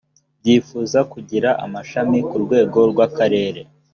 byifuza kugira amashami ku rwego rw akarere